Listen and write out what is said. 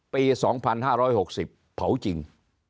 ปี๒๕๖๐เผาจริง